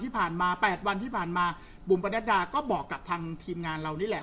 บุ๋มปะแน๊ดดาก็บอกกับทางทีมงานเรานี้แหละ